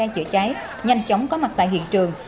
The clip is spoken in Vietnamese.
chữa cháy nhanh chóng có mặt tại hiện trường